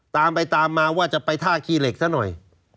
ตามไปตามมาว่าจะไปท่าขี้เหล็กซะหน่อย